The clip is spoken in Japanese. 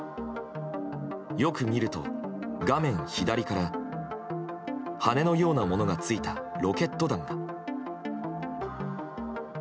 よく見ると、画面左から羽のようなものがついたロケット弾が。